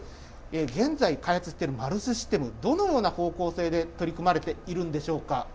現在、開発しているマルスシステム、どのような方向性で取り組まれているんでしょうか。